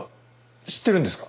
知ってるんですか？